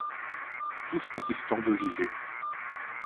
Tous assistants de Jijé.